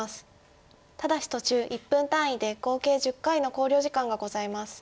ただし途中１分単位で合計１０回の考慮時間がございます。